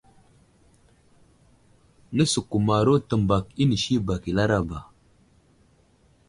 Nəsəkəmaro təmbak inisi bak i laraba.